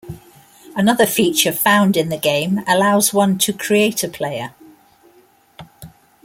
Another feature found in the game allows one to create a player.